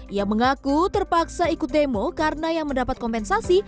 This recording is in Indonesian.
ia mengaku terpaksa ikut demo karena yang mendapat kompensasi